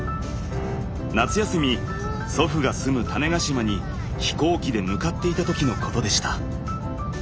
夏休み祖父が住む種子島に飛行機で向かっていた時のことでした。